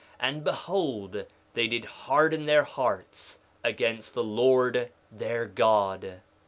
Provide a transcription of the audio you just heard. And behold they did harden their hearts against the Lord their God.